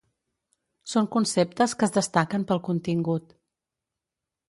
Són conceptes que es destaquen pel contingut.